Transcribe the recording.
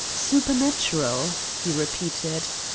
"Supernatural," he repeated.